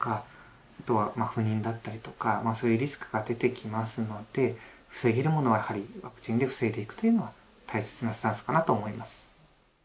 あとは不妊だったりとかそういうリスクが出てきますので防げるものはやはりワクチンで防いでいくというのは大切なスタンスかなと思います。